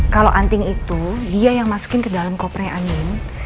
kalo anting itu dia yang masukin ke dalam kopernya andin